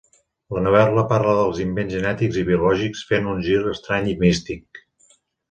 La novel·la parla dels invents genètics i biològics fent un gir estrany i místic.